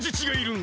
ん？